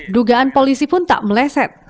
dugaan polisi pun tak meleset